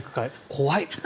怖い。